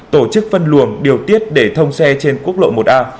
tổ chức phân luồng điều tiết để thông xe trên quốc lộ một a